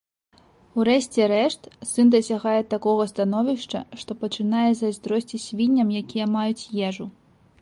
У рэшце рэшт, сын дасягае такога становішча, што пачынае зайздросціць свінням, якія маюць ежу.